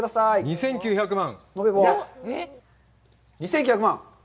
２９００万！